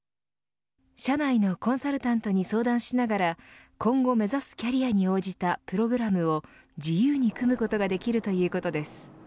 社内のコンサルタントに相談しながら今後目指すキャリアに応じたプログラムを自由に組むことができるということです。